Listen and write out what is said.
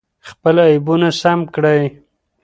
خپل عیبونه سم کړئ.